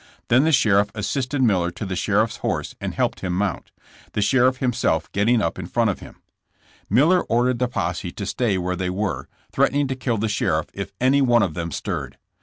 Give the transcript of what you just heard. Then the sheriff assisted Miller to the sheriff's horse and helped him mount, the sheriff himself getting up in front of him. Miller OUTI, AWKD AND HUNTKD. 93 ordered the posse to stay where they were, threat ening to kill the sheriff if one of them stirred.